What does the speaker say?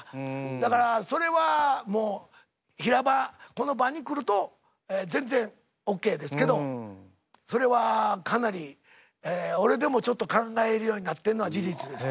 だからそれはもう平場この場に来ると全然オッケーですけどそれはかなり俺でもちょっと考えるようになってんのは事実です。